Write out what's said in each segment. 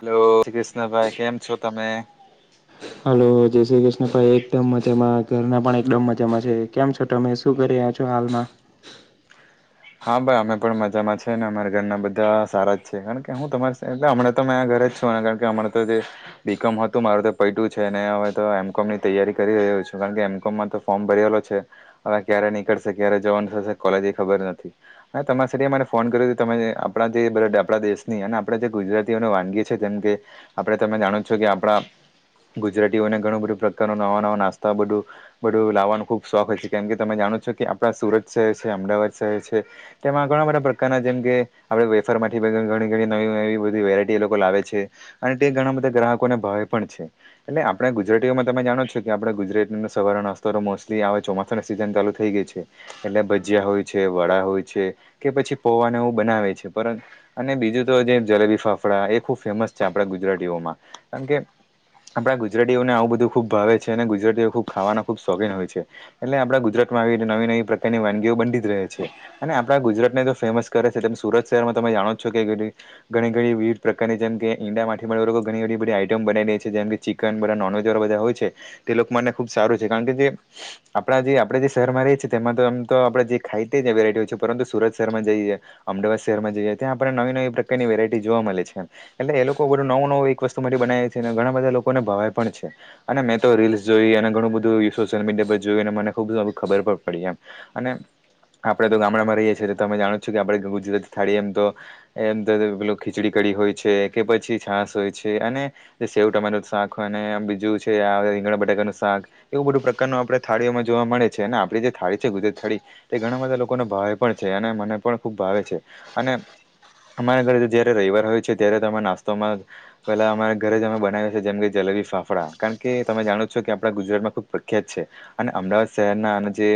Hello જય શ્રી કૃષ્ણ ભાઈ કેમ છો તમે? હલો જય શ્રી કૃષ્ણ ભાઈ એકદમ મજામાં ઘરના પણ એકદમ મજામાં છે કેમ છો. તમે શું કરી રીયા છો હાલમાં? હા ભાઈ અમે પણ મજામાં છે ને અમારા ઘરના બધા સારા જ છે કારણ કે હું તમાર સાથે હમણાં તો મેં ઘરે જ છું ને ત્યાં આગળ હમણાં [unintelligible] તો તે બીકોમ હતું મારું તો પૈટયુ છે ને હવે તો એમ કોમ ની તૈયારી કરી રહ્યો છું કારણ કે એમ કોમમાં તો ફોર્મ ભરેલો છે હવે ક્યારે નીકળશે ક્યારે જવાનું થશે કોલેજ એ ખબર નથી. મે તમારા [unintelligible] મને ફોન કર્યો તમે આપણા જે આપણા દેશની અને આપણા જે ગુજરાતીઓને વાનગી છે તેમ કે. આપણે તમે જાણો છો કે આપણા ગુજરાતીઓને ઘણું બધું પ્રકારનું નવા નવા નાસ્તા બધું. બધું લાવાનો ખુબ શોખ હોય છે કેમ કે તમે જાણો છો કે આપણા સુરત શહેર છે અમદાવાદ શહેર છે. તેમાં ધણાં બધાં પ્રકારના જેમ કે, હવે વેફાર માંથી બનેલી ઘણી ઘણી નવી નવી બધી વેરાયટી એ લોકો લાવે છે. અને તે ઘણા બધા ગ્રાહકોને ભાવે પણ છે. એટલે આપણે ગુજરાતીઓમાં તમે જાણો છો કે આપણે ગુજરાત ની અંદર સવાર નાસ્તો તો મોસ્ટલી આવે ચોમાસ સીઝન ચાલુ થઈ ગઈ છે એટલે ભજીયા હોય છે. વડા હોય છે કે પછી પૌવાં ને એવું બનાવે છે પર અને બીજું તો જે જલેબી ફાફડા એ ખુબ ફેમસ છે આપણા ગુજરાતીઓમાં કારણ કે આપણા ગુજરાતીઓને આવું બધું ખુબ ભાવે છે અને ગુજરાતીઓ ખુબ ખાવાના ખુબ શોખીન હોય છે. એટલે આપડા ગુજરાતમાં આવી નવી નવી પ્રકારની વાનગીઓ બંધી જ રહે છે. અને આપણા ગુજરાતને જો ફેમસ કરે છે તેમ સુરત શહેરમાં તમે જાણો છો કે ઘણી ઘણી વિવિધ પ્રકારની જેમ કે ઈન્ડિયા થી લોકો ઘણીધી બધી આઈટમ બનાવી રે છે જેમ, ચિકન બધા નોનવેજ વાળા બધા હોય છે તે લોકો મને ખુબ સારું છે કારણ કે જે આપણા જે આપડે જે શહેરમાં રહી છીએ તેમાં તો આમ તો આપડે જે ખાઈ તે જ વેરાયટી હોય છે પરંતુ સુરત શહેરમાં જઈએ. અમદાવાદ શહેરમાં જઈએ ત્યાં આપણે નવી નવી પ્રકારની વેરાયટી જોવા મળે છે. એટલે એ લોકો બધું નવું નવું એક વસ્તુમાંથી બનાવે છે અને ઘણા બધા લોકોને ભાવે પણ છે. અને મેં તો રીલ્સ જોઈ અને ઘણું બધું સોશિયલ મીડિયા પર જોયું અને મને ખુબ ખબર પણ પડી એમ અને, આપડે તો ગામડામાં રહીએ છીએ તો તમે જાણો છો કે આપે ગુજરાતી થાળીએ એમ તો એમ તે પેલો ખીચડી કડી હોય છે કે પછી છાસ હોય છે અને. જે સેવ ટમેટા નું શાક હોય અને બીજું છેઆ આવે રીંગણા બટાકાનું શાક એવું બધું પ્રકારનું આપણે થાળીઓમાં જોવા મળે છે ને આપ જે થાળી છે ગુજરત થાળી તે ઘણા બધા લોકોનો ભાવે પણ છે અને મને પણ ખૂબ ભાવે છે અને અમારા ઘરે તો જયારે રવિવાર હોય છે ત્યારે તમે નાસ્તોમાં પેલા અમારા જ અમે બનાવીએ છે જેમ કે જલેબી ફાફડા કે તમે જાણો છો કે આપડા ગુજરાતમાં ખુબ પ્રખ્યાત છે. અને અમદાવાદ શહેર ના અને જે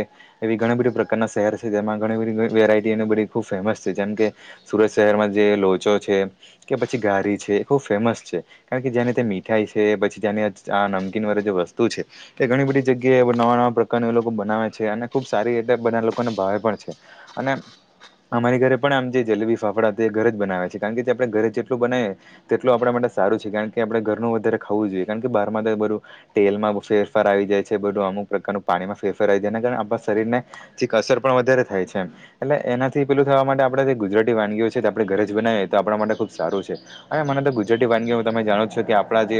એવી ઘણી બધી પ્ર ના શહેર છે જેમાં બધી વેરાયટી અને બધી ખૂબ છે જેમ કે સુરત શહેરમાં જે લોચો છે કે પછી ગારી છે એ ખૂબ ફેમસ છે. કારણ કે જેને તે મીઠાઈ છે પછી જેને આ નમકીન વાળે જે વસ્તુ છે કે ઘણી બધી જગ્યાએ એ નવા નવા પ્રકાર ન એ લોકો બનાવે છે અને ખુબ સારી દે બધા લોકોને ભાવે પણ છે અને અમારી ઘરે પણ આમ જે જલેબી ફાફડા હતા એ ઘરે જ બનાવેયા છે કારણ કે જે આપણે ઘરે જેટલું બનાવીએ તેટલું આપડા માટે સારું છે કારણ કે આપણે ઘરનું વધારે ખું જોઈએ કારણ કે બહારમાં તો એ બધું તેલમાં ફેરફાર આવી જાય છે બધું અમુક પ્રકારનું પાણીમાં ફેરફાર આવી જાયના કારણે આપડા શરીર ને છેક અસર પણ વધારે થાય છે એમ. એટલે એનાથી પેલું થવા માટે આપણે જે ગુજરાતી વાનગીઓ છે આપણેે ઘરે જ બનાવીએ તો આપણા માટે ખુબ સારું છે. અને મને તો ગુજરાતી વાનગીઓ તમે જાણો છો કે આપડા જે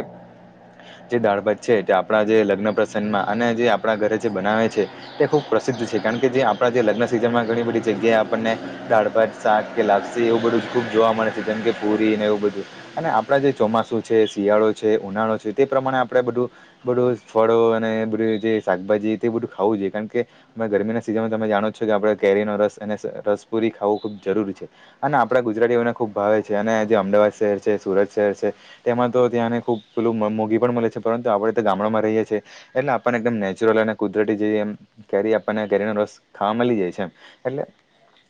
જે દાળ ભાત જે આપડા જે લગ્ન પ્રસનમાં અને જે આપડા જે બનાવે છે તે ખૂબ પ્રસિદ્ધ છે કારણ કે જે આપડા જે લગ્ન સિઝનમાં ઘણી બધી જગ્યાએ આપણને દાળભાત શાક કે લાગશે એવું બધું જ ખુબ જોવા મળે છે જેમ કે પૂરી ને એવું બધું અને આપડા જે ચોમાસુ છે શિયાળો છે ઉનાળો છે તે પ્રમાણે આપણેે બધું બધું ફળો અને બધું જે શાકભાજી તે બધું ખાવું જોઈએ કારણ કે મેં ગરમીના સિઝનમાં તમે જાણો જ છો કે આપણે કેરીનો રસ અને રસપુરી ખાવું ખૂબ જરૂરી છે અને આપણા ગુજરાતીઓને ખૂબ ભાવે છે અને જે અમદાવાદ શહેર છે સુરત શહેર છે તેમાં તો ત્યાંને ખુબ પેલું મોગી પણ મળે છે પરંતુ આપડા ગામડામાં રહીએ છીએ. એટલે આપને એકદમ નેચરલ અને કુદરતી જેવી એમ કેરી આપને કેરીનો રોસ ખા મળી જાય છે એમ એટલે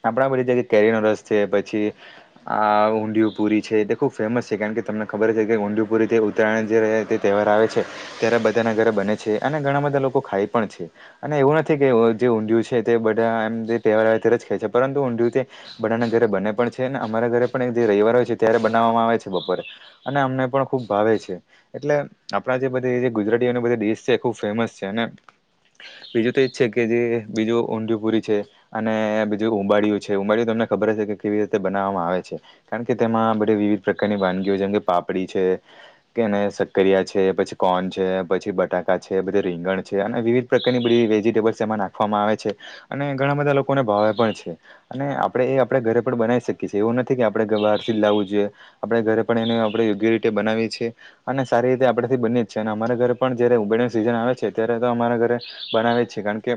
આપડા બધી જગ્યાએ કેરીનો રસ છે પછી આ ઊંધયુ પુરી છે તે ખૂબ ફેમસ છે કારણ કે તમને ખબર છે કે ઊંધય પુરી તે ઉં તરાણ જ તે તહેવાર આવે છે ત્યારે બધાના ઘરે બને છે અને ઘણા બધા લોકો ખાય પણ છે. અને એવું નથી કે જે ઊંડયું છે તે બધા એમ તહેવાર આવે તેયારે જ ખાય છે પરંતુ ઊંડયું તે બધાને ઘરે બને પણ છે ને અમારા ઘરે પણ જે રવિવાર હોય છે ત્યારે બનાવવામાં આવે છે બપોરે. અને અમને પણ ખુબ ભાવે છે. એટલે આપડા જે બધ ગુજરાતીઓ બધી ડડીશ છે એ ખુબ ફેમસ છે અને બીજું તો એ છે કે જે બીજું ઊડ્યું પૂરી છે અને બીજું ઉંબાળિયું છે ઉંબડીય તમને ખબર હશે કે કેવી રીતે બનાવવામાં આવે છે. કારણ કે તેમાં બધી વિવિધ પ્રકારની વાનગીઓ જેમ કે પાપડી છે કે એને સક્કરિયા છે પછી કોર્ન છે પછી બટાકા છેધી રીંગણ છે અને વિવિધ પ્રકારની બધી વેજી ટેબમાં નાખવામાં આવે છે અને ઘણા બધા લોકોને ભાવે પણ છે. અને આપડે એ આપડે ઘરે પણ બનાવી શકીએ છીએ એવું નથી કે આપડે બારથી જ લાવવું જોઈએ આપડે ઘરે પણ એને આપડે યોગ્ય રીતે બનાવીએ છીએ અને સારી રીતે આપડેથી બની જ છે અને અમારા ઘરે પણ જયારે ઉબળે સિઝન આવે છે ત્યારે તો અમારા ઘરે બનાવે છે. કારણ કે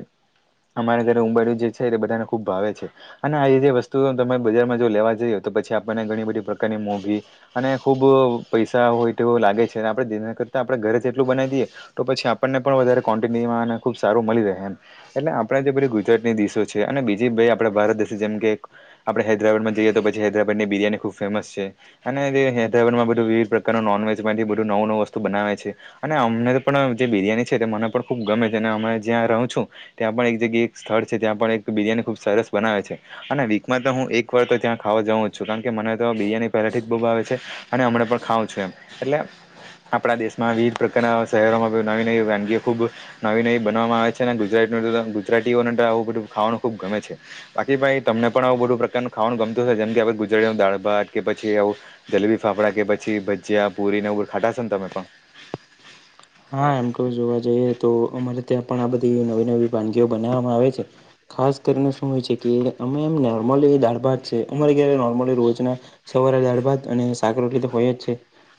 અમારા ઘરે ઉંબાડિયું જે છે તે બધાને ખુબ ભાવે છે. અને આ જે વસ્તુ તમે બજારમાં જો લેવા જઈએ તો પછી આપણને ઘણી બધી પ્રકારની મોઘી અને ખુબ અહ પૈસા હોય તેવ લાગે છે અને આપડે જે કરતા આપડે ઘરે જ એટલું બનાવી દઈએ તો પછી આપણને પણ વધારે કોંટિનનિવા ને ખુબ સારું મળી રહે એમ એટલે આપણે જે બધી ગુજરાતની ડીસો છે અને બીજી બે આપણા ભારત દેશ જેમ કે આપણે હૈદરાબાદમાં જઈએ તો પછી હૈદરાબાદની બિરયાની ખૂબ ફેમસ છે. અને જે હૈદરાબાદમાં બધું વિવિધ પ્રકારનું નોનવેજમાંથી બધું નવું નવું વસ્તુ બનાવે છે. અને અમને પણ જે બિરિયાની છે તે મને પણ ખુબ ગમે અને અમે જ્યાં રહું છું ત્યાં પણ એક જગ્યા એક સ્થળ છે ત્યાં પણ એક બિરિયાની ખુબ સરસ બનાવે છે. અને વીકમાં તો હું એક વાર તો ત્યાં ખાવા જઉં જ છું કારણ કે મને તો બિરયાની પહેલાથી જ બહુ આવે છે. અને હમણાં પણ ખાવં છું એમ એલે આપણા દેશમાં વિવિધ પ્રકારના શહેરોમાં નવી નવી વાનગી ખૂબ નવી નવી બનવામાં આવે છે ને ગુજરાત [unintelligible] ગુજરાતીઓને તો આવું બધું ખાવાનું ખુબ ગમે છે બાકી ભાઈ તમને પણ આવું બધું પ્રકારનું ખાવાનું ગમતું હશે જેમ કે આપડ ગુજરાતી દાળ ભાત કે પછી આવું જલેબી ફાફડા કે પછી ભજીયા પુરીને એવું બધું ખાતા હસો ને તમે પણ? હા એમ તો જોવા જઈએ તો અમારે ત્યાં પણ આ બધી નવી નવી વાનગીઓ બનાવવામાં આવે છે. ખાસ કરીને શું હોય છે કે અમે એમ નોર્મલી દાળ ભાત છે અમારે ઘેરે નોર્મલી રોજના સવારે દાળ ભાત અને શાક-રોટલી તો હોય જ છે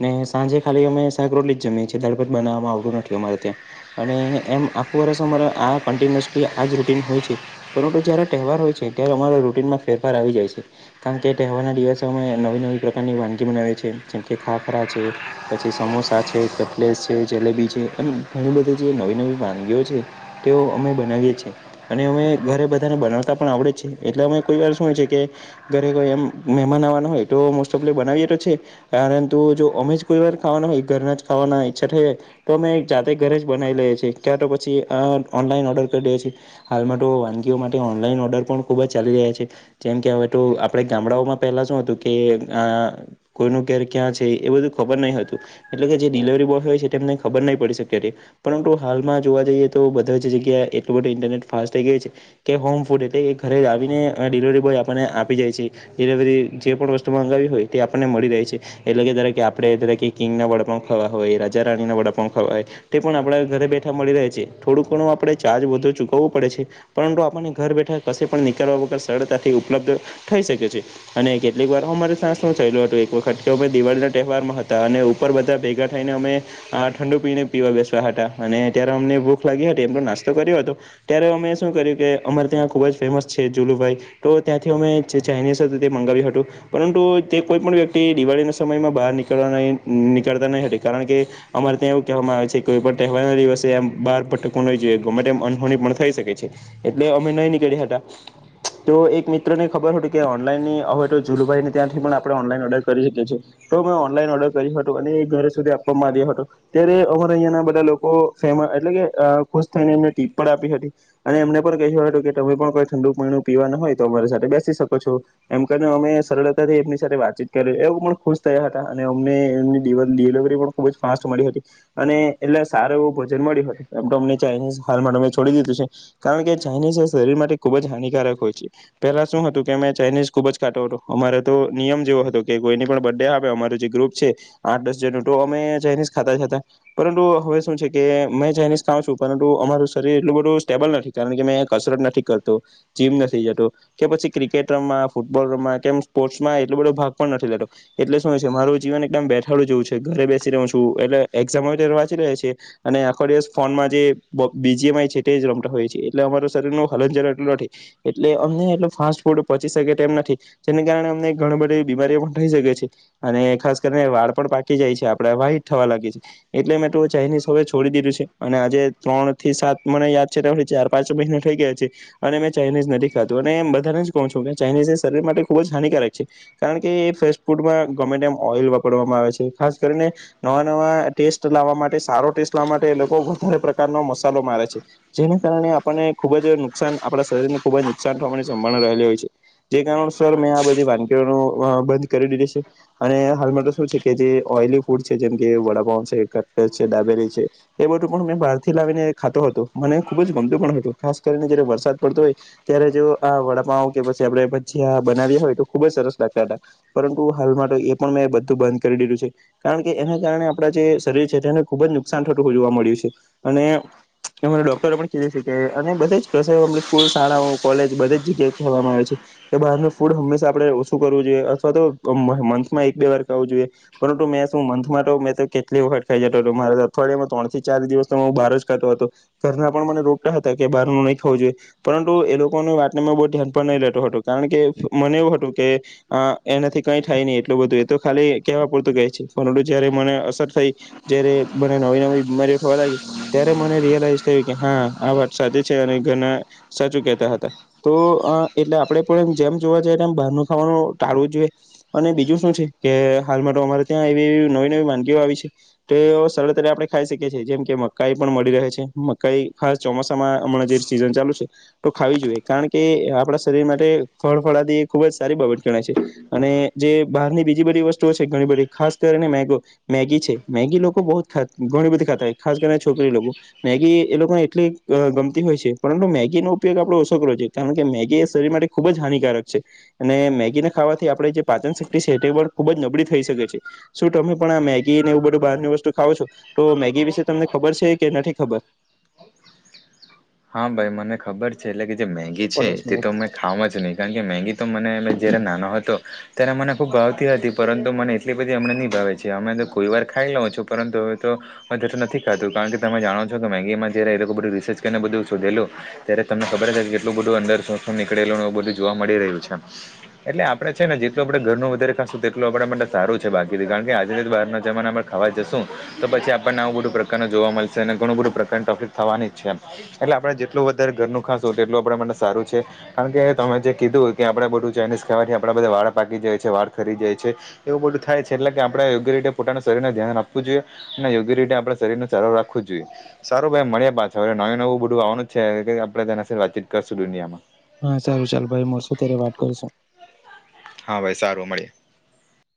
ને સાંજે ખાલી અમે શાક-રોટલી જ જમીએ છીએ દાળ-ભાત બનાવવામાં આવતું નથી અમારે ત્યાં અને એમ આખું વર્ષ અમારે આ કન્ટિન્યુઅસલી આજ રૂટીન હોય છે. પરંતુ જ્યારે તહેવાર હોય છે ત્યારે અમારા રૂટીનમાં ફેરફાર આવી જાય છે. કારણ કે તહેવારના દિવસે અમે નવી નવી પ્રકારની વાનગી બનાવીએ છે જેમ કે ખાખરા છે, પછી સમોસા છે, કટલેસ છે, જલેબી છે એમ ઘણી બધી જે નવી નવી વાનગીઓ છે તેઓ અમે બનાવીએ છીએ. અને અમે ઘરે બધાને બનાવતા પણ આવડે જ છે એટલે અમે કોઈ વાર શું હોય છે કે ઘરે કોઈ એમ મહેમાન આવવાનો હોય તો મોસ્ટ ઓફ લી બનાવીએ તો છે. પરંતુ જો અમે જ કોઈ વાર ખાવાના હોય ઘરના જ ખાવાના હોય ઈચ્છા થઈ ગય તો મેં જાતે ઘરે જ બનાવી લઈએ છીએ ક્યાં તો પછી ઓનલાઈન ઓર્ડર કરી દઈએ છીએ. હાલમાં તો વાનગીઓ માટે ઓનલાઈન ઓર્ડર પણ ખુબ જ ચાલી રહ્યા છે. જેમ કે હવે તો આપડે ગામડાઓમાં પહેલા શું હતું કે આ કોઈનું ઘેર ક્યાં છે એ બધું ખબર નહિ હતું એટલે કે જે ડિલવરી બોય હોય છે તેમને ખબર નહી પડી શકતી હતી. પરંતુ હાલમાં જોવા જઈએ તો બધા જ જગ્યાએ એટલું બધું ઇન્ટરનેટ ફાસ્ટ થઈ ગયુ છે કે હોમ ફૂડ એટલે ઘરે આવીને ડિલિવરી બોય આપણને આપી જાય છે. ડિલિવરી જે પણ વસ્તુ મંગાવી હોય તે આપણને મળી રહે છે. એટલે કે ધારો કે આપડે ધારો કે કિંગના વડાપાવ ખાવા હોય રાજા-રાણીના વડાપાવ ખાવા હોય તે પણ આપણા ઘરે બેઠા મળી રહે છે થોડું ઘણું આપડણે ચાર્જ વધુ ચૂકવવો પડે છે. પરંતુ આપણને ઘર બેઠા કશે પણ નીકળ્યા વગર સરળતાથી ઉપલબ્ધ થઈ શકે છે. અને કેટલીક વાર અમારે સાસમાં થયેલો હતો એક વખત કે અમે દિવાળીના તહેવારમાં હતા અને ઉપર બધા ભેગા થઈને અમે ઠંડુ પીને પીવા બેસયા હતા અને ત્યારે અમને ભૂખ લાગી હતી એમતો નાસ્તો કર્યો હતો ત્યારે અમે શું કર્યું કે અમારે ત્યાં ખુબ જ ફેમસ છે જુલુભાઈ તો ત્યાંથી અમે જે ચાઇનીઝ હતું તે મંગાવ્યું હતું. પરંતુ તે કોઈ પણ વ્યક્તિ દિવાળીના સમયમાં બહાર નીકળવા નહી નીકળતા નહીં કારણ કે, અમારે ત્યાં એવું કહેવામાં આવે છે કે કોઈ પણ તહેવારના દિવસે એમ બાર ભટકવું ન જોઈએ ગમે તેમ અનહોની પણ થઈ શકે છે. એટલે અમે નહી નીકળ્યા હતા. [inaudible] તો એક મિત્રને ખબર હતું કે ઓનલાઈનની હવે તો જુલુભાઈ ને ત્યાંથી પણ આપણે ઓનલાઈન ઓર્ડર કરી શકીએ છીએ. તો મેં ઓનલાઈન ઓર્ડર કર્યું હતું અને એ ઘરે સુધી આપવામાં આવ્યો હ તો. ત્યારે અમાર અહિયાંના બધા લોકો ફેમસ એટલે કે ખુશ થઈને એમને ટીપ પણ આપી હતી. અને એમને પણ કહ્યું હતું કે તમે પણ કોઈ ઠંડુ પાણું પીવા ના હોય તો અમારી સાથે બેસી શકો છો. એમ કરીને અમે સરળતાથી એમની સાથે વાતચીત કરી એવું પણ ખુશ થયા હતા અને અમને એમ દિવન દિલ તે ઓ ખુબજ ફાસ મળ્યું હતુ અને એટલે સારું એવું ભોજન મળ્યું હતું એમ તો અમને ચાઇનીઝ હાલ મે છોડી દીધું છે. કારણ કે ચાઇનીઝ એ શરીર માટે ખુબ જ હાનિકારક હોય છે. પેલા શું હતું કે અમે ચાઇનીઝ ખુબ જ ખાતો હતો અમારો તો નિયમ જ એવો હતો કે કોઈની પણ બર્થ ડે આવે અમારો જે ગ્રુપ છે આઠ દસ જણ તો અમે ચાઇનીઝ ખાતા જ હતા. પરંતુ હવે શું છે કે મેં ચાઇનીઝ ખાઉં છું પરંતુ અમારું શરીર એટલું બધું સ્ટેબલ નથી કારણ કે મેં કસરત નથી કરતો જીમ નથી જતો કે પછી ક્રિકેટમાં ફૂટબોલમાં કેમ સ્પોર્ટ્સમાં એટલો બધો ભાગ પણ નથી લેતો. એટલે શુંય છે મારું જીવન એકદમ બેઠાડું જેવું છે ઘરે બેસી રહ્યો છું એટલે એક્ઝામો વાંચી લય છે. અને આખો દિવસ ફોનમાં જે બીજી એમ આઈ છે તે જ રમતા હોય છે એટલે અમારો શરીર ન હલન ચલન એટલું નથી. એટલે અમને એટલો ફાસ્ટ ફૂડ પહોંચી શકે તેમ નથી. જેને કારણે અમને ઘણી બધી બીમારીઓ પણ થઈ શકે છે. અને ખાસ કરીને વાળ પણ પાકી જાય છે આપડે વાઈટ થવા લાગે છે. એટલે મેં તો ચાઇનીઝ હવે છોડી દીધું છે અને આજે ત્રણ થી સાત મને યાદ છે ચાર પાંચો મહિના થઇ ગયા છે. અને મેં ચાઇનીઝ નથી ખાતું અને બધાને જ કહું છું કે ચાાઈનીઝ એ શરીર માટે ખુબ જ હાનિકારક છે. કારણ કે એ ફાસ્ટ ફૂડમાં ગમે તે એમ ઓઈલ વાપરવામાં આવે છે ખાસ કરીને નવા નવા ટેસ્ટ લાવવા માટે સારો ટેસ્ટ લાવવા માટે એ લોકો વધારે પ્રકારનો મસાલો મારે છે. જેને કારણે આપણને ખુબ જ નુકસાન આપણા શરીરને ખુબ જ નુકસાન થવાની સંભાવના રહેલી હોય છે. જે કારણ સર મેં આ બધી વાનગીઓ અહ બંધ કરી દીધી છે. અને હાલમાં તો શું છે કે જે ઓઈલી ફૂડ છે જેમ વડાપાવ છે ક્ટર છે ડાબેરી છે એ પણ મેં બહાર થી લાવીને ખાતો હતો. મને ખુબ જ ગમતું પણ હતું ખાસ કરીને જ્યારે વરસાદ પડતો હોય ત્યારે જો આ વડાપાઓ કે પછી આપડે ભજીયા બનાવ્યા હોય તો ખુબ જ સરસ લાગતા હતા. પરંતુ હાલમાં તો એ પણ મેં બધું બંધ કરી દીધું છે. કારણ કે એને કારણે આપડા જે શરીર છે તેને ખુબ જ નુકસાન થતું જોવા મળ્યું છે. અને એમને ડોક્ટર પણ કહેસે અને બધ જ કહે છે સ્કૂલ શાળાઓ કોલેજ બધી જગ્યાએ કહેવામાં આવે છે. કે બહારનું ફૂડ હંમેશા આપડે ઓછું કરવું જોઈએ અથવા તો મંથમાં એક બે વાર ખાવું જોઈએ. પરંતુ મેં શું મંથમાં તો મેં તો કેટલી વખત ખાઈ જતો હતો મારે અઠવાડિયામાં ત્રણ થી ચાર દિવસ તોમાં હું બહાર જ ખાતો હતો. ઘરના પણ મને રોટલા હતા કે બાર નહીં ખાવું જોઈએ. પરંતુ એ લોકોની વાતને મેં બહુ ધ્યાન પણ નહી લેતું હતું કારણ કે મને એવું હતું કે અહ એનાથી કઈ થાય નહી એટલું બધું એ તો ખાલી કેવા પૂરતું છે. પણું જયારે મને અસર થઈ જ્યારે મને નવી નવી બીમારીઓ થવા લાગી ત્યારે મને રિયલાઈઝ થયું કે હા આ વાત સાચી છે અને ઘણા સાચું કેતા હતા. તો અહ એટલે આપડે જેમ જોવા જઈએ તેમ બહારનું ખાવાનું જોઈએ. અને બીજું શું છે કે હાલમાં તો અમારે ત્યાં એવી નવી નવી માંનગીઓ આવી છે તે ઓ સરળતા આપણે ખાઈ શકીએ છીએ જેમ કે મકાઈ પણ મળી રહે છે મકાઈ ખાસ ચોમાસામાં હમણાં જે સિઝન ચાલુ છે તો ખાવી જોઈએ કારણ કે આપડા શરીર માટે ફળ ફળાથી ખુબ જ સારી બાબત ગણાય છે અને જે બહારની બીજી બધી વસ્તુઓ છે ઘણી બધી ખાસ કરીને મેગો મેગી છે. મેગી લોકો બોહોત ઘણી બધી ખાતા હોય ખાસ કરીને છોકરી લોકો. મેગી એ લોકોને એટલી ગમતી હોય છે પરંતુ મેગીનો ઉપયોગ આપણો ઓછો કરવો જોઈએ. કારણ કે મેગી એ શરીર માટે ખૂબ જ હાનિકારક છે. અને મેગીને ખાવાથી આપડે જે પાચન શક્તિ છે. એ પણ ખુબ જ નબળી થઈ શકે છે. શું તમે પણ આ મેગી ને એવું બધું બહારની વસ્તુ ખાવો છો તો મેગી વિશે તમને ખબર છે કે નથી ખબર. હા, ભાઈ મને ખબર છે. એટલે કે જે મેગી છે તે તો અમે ખાવા જ નહીં. કારણ કે મેગી તો મને જય્યારે નાનો હતો. ત્યારે મને ખુબ ભાવતી હતી. પરંતુ મને એટલી બધી અમને નહી ભાવે છે અમે તો કોઈ વાર ખાઈ લઉ છું. પરંતુ હવે તો હ તે નથી ખાતું, કારણ કે તમે જાણો છો કે મેગીમાં જયારે એ લોકો બધું રિસર્ચ કરીને બધું શોધેલુ. ત્યારે તમને ખબર છે, કે કેટલું બધું અંદર શોણ નીકળેલું એવું બધું જોવા મળી રહ્યું છે. એટલે આપડે છે ને જેટલું આપણે ઘરનું વધારે ખાશું તેટલું આપણા માટે સારું છે. બાકીથી કારણ કે આજેથી જ બહારના જમાનામાં ખાવા જશું તો પછી આપણને આવું બધું પ્રકારનું જોવા મળશે અને ઘણું બધું પ્રકારનું ટોપિક થવાની જ છે. એટલે આપડણે જેટલું વધારે ઘરનું ખાાસું તેટલું આપ માટે સારું છે. કારણ કે તમે જે કીધું કે આપણેે બધું ચાઇનીઝ ખાવાથી આપણા બધા વાળ પાકી જાય છે, વાળ ખરી જાય છે. એવું બધું થાય છે એટલે કે આપણે યોગ્ય રીતે પોતાના શરીરને ધ્યાન રાખવું જોઈએ. અને યોગી રીતે આપડે શરીરું ચારો રાખવું જ જોઈએ. સારું ભાઈ મળ્યા પાછા. હ નવેું નવું બધું આવવાનું જ છે આપણે તેના સાથે વાતચીત કરશું દુનિયામાં. હા, ચાલું ચાલ ભાઈ મળશું ત્યારે વાત કરીશું. હા ભાઈ સારું મળીએ.